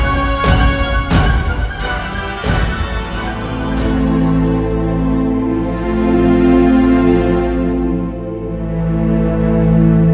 saya tidak tahu